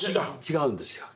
違うんですよ。